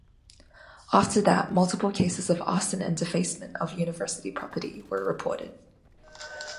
After that, multiple cases of arson and defacement of university property were reported.